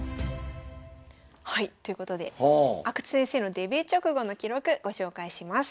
はいということで阿久津先生のデビュー直後の記録ご紹介します。